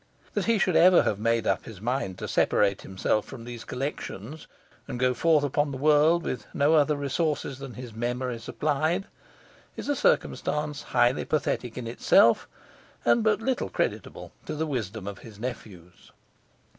That he should ever have made up his mind to separate himself from these collections, and go forth upon the world with no other resources than his memory supplied, is a circumstance highly pathetic in itself, and but little creditable to the wisdom of his nephews.